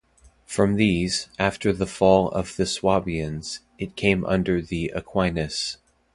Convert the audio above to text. From these, after the fall of the Swabians, it came under the Aquinas.